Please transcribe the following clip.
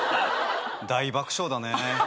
大爆笑だね。